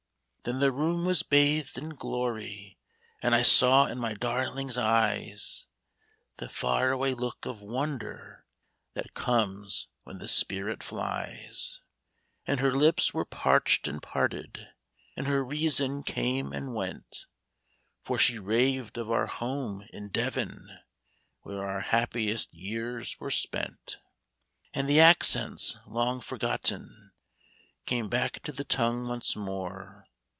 *^' Then the room was bathed in glory^ And I saw in my darling's eyes The far away look of wonder That comes when the spirit flies ; And her lips were parched and parted, And her reason came and went, For she raved of our home in Devon, Where our happiest years were spent. " And the accents, long forgotten, Came back to the tongue once more.